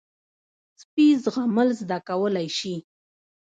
سپي زغم زده کولی شي.